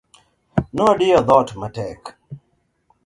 Nodiyo dhoot matek.